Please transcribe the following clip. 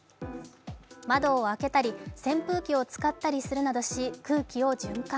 窓を開けたり、扇風機を使ったりするなどし空気を循環。